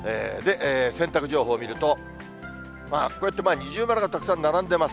洗濯情報見ると、こうやって二重丸がたくさん並んでます。